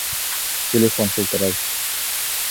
Телефон шылтырай.